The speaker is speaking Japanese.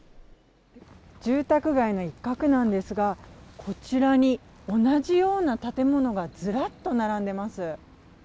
住宅街の一角なんですが、こちらに同じような建物がずらっと並んでます。